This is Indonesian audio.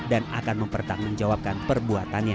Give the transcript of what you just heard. dan akan mempertanggungjawabkan perbuatannya